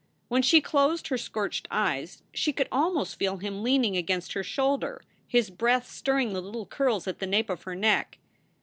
When she closed her scorched eyes she could almost feel him leaning against her shoulder, his breath stirring the little curls at the nape of her neck.